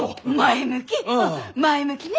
前向きね！